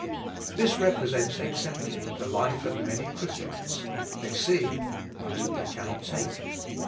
This represents exactly the life of many Christians; they see, but they cannot take.